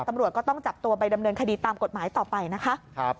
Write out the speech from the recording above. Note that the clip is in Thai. ตำรวจก็ต้องจับตัวไปดำเนินคดีตามกฎหมายต่อไปนะคะ